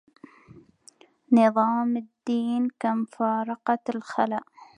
نظام الدين كم فارقت خلا